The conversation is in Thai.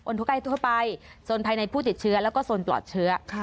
ทั่วใกล้ทั่วไปโซนภายในผู้ติดเชื้อแล้วก็โซนปลอดเชื้อ